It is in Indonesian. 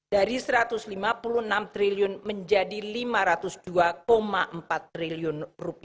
dari rp satu ratus lima puluh enam triliun menjadi rp lima ratus dua empat triliun